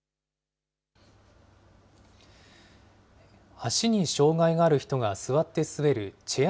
脚に障害がある人が座って滑るチェア